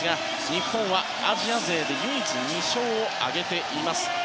日本はアジア勢で唯一２勝を挙げています。